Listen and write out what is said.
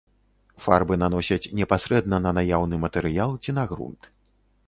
Фарбы наносяць непасрэдна на наяўны матэрыял ці на грунт.